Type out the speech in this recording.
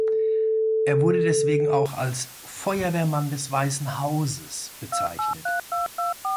Er wurde deswegen auch als „Feuerwehrmann des Weißen Hauses“ bezeichnet.